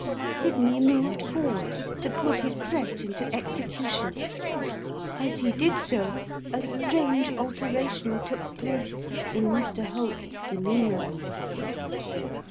Sydney moved forward to put his threat into execution. As he did so, a strange alteration took place in Mr Holt's demeanour.